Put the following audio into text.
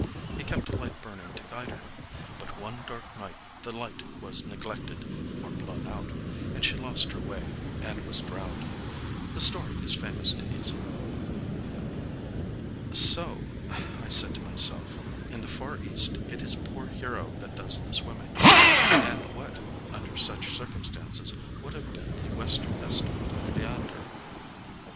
He kept a light burning to guide her. But one dark night the light was neglected—or blown out; and she lost her way, and was drowned…. The story is famous in Idzu." —"So," I said to myself, "in the Far East, it is poor Hero that does the swimming. And what, under such circumstances, would have been the Western estimate of Leander?"